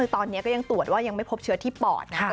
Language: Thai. ตอนนี้ก็ยังตรวจว่ายังไม่พบเชื้อที่ปอดนะ